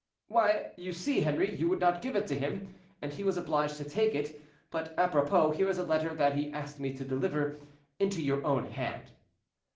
"Why, you see, Henri, you would not give it to him, and he was obliged to take it. But, apropos, here is a letter that he asked me to deliver into your own hand."